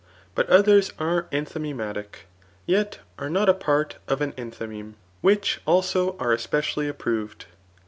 '' But others are enthymemaric, yet are not a part of an embymeme; which also are especially approved.